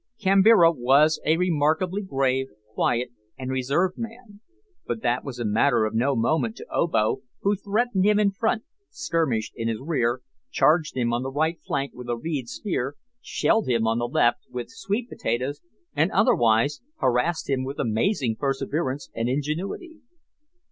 Kambira was a remarkably grave, quiet and reserved man, but that was a matter of no moment to Obo, who threatened him in front, skirmished in his rear, charged him on the right flank with a reed spear, shelled him on the left with sweet potatoes, and otherwise harassed him with amazing perseverance and ingenuity.